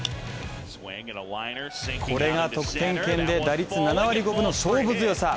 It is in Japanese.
これが得点圏で打率７割５分の勝負強さ。